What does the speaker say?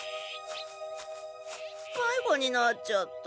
まいごになっちゃった！